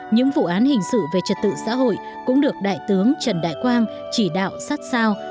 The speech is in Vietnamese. những vụ án hình sự về trật tự xã hội cũng được đại tướng trần đại quang chỉ đạo sát sao